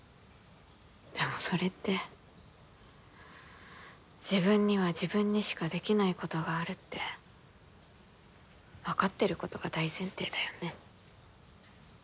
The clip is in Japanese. でもそれって自分には自分にしかできないことがあるって分かってることが大前提だよね。